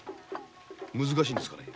難しいんですか。